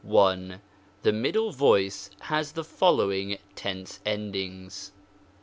!• The middle voice . has the following tense endings : ;55.